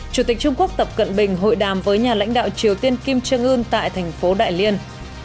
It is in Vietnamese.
chủ tịch trung quốc tập cận bình hội đàm với nhà lãnh đạo triều tiên kim trương ưn tại thành phố đại liên